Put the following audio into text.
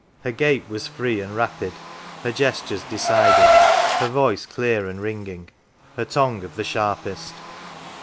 Her gait was free and 75 N A N C V rapid, her gestures decided, her voice clear and ringing, her tongue of the sharpest.